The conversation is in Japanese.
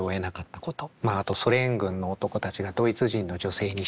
まああとソ連軍の男たちがドイツ人の女性にしたこと。